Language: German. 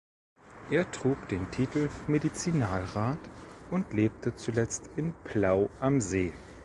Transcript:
Er trug den Titel Medizinalrat und lebte zuletzt in Plau am See.